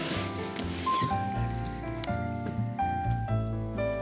よいしょ。